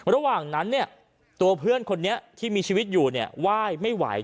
ระหว่างนั้นเนี่ยตัวเพื่อนคนนี้ที่มีชีวิตอยู่เนี่ยไหว้ไม่ไหว